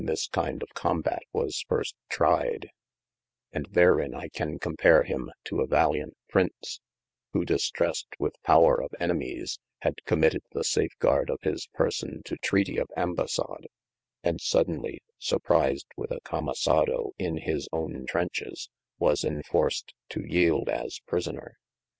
this kinde of combat was firste tried :) and therein I can compare him to a valiant Prince, who distressed with power of enemies had committed the safegard of his person to treaty of Ambassade, and sodenly (surprised with a Camassado in his owne trenches) was enforced to yeeld as prisoner.